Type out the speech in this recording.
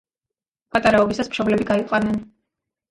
პატარაობისას, მშობლები გაიყარნენ.